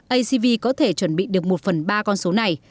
acv có thể chuẩn bị được một phần ba con số này